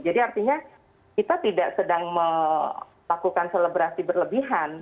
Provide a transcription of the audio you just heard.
artinya kita tidak sedang melakukan selebrasi berlebihan